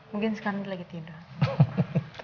mungkin sekarang lagi tidur